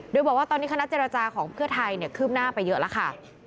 โดยบอกว่าตอนนี้คณะเจรจาของเพื่อไทยเนี่ยขึ้นหน้าไปเยอะละค่ะ